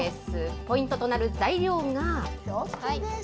ポイントとなる材料が。